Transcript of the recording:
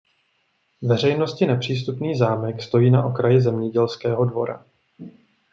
Veřejnosti nepřístupný zámek stojí na okraji zemědělského dvora.